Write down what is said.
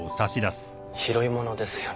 拾い物ですよね？